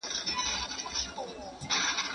¬ چاري و سوې، چي پاته ناچاري سوې.